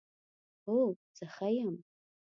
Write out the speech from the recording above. هو، زه ښه یم